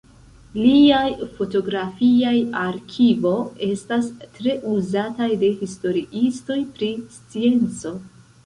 Liaj fotografiaj arkivo estas tre uzataj de historiistoj pri scienco.